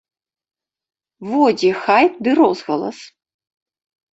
Во дзе хайп ды розгалас.